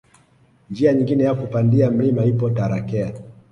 Njia nyingine ya kupandia mlima ipo Tarakea